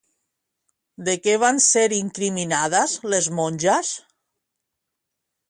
De què van ser incriminades les monges?